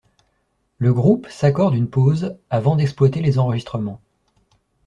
Le groupe s'accorde une pause avant d'exploiter les enregistrements.